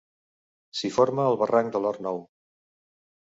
S'hi forma el barranc de l'Hort Nou.